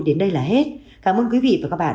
đến đây là hết cảm ơn quý vị và các bạn